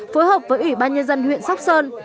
phối hợp với ủy ban nhân dân huyện sóc sơn